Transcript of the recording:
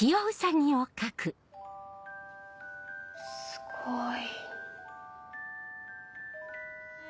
すごい。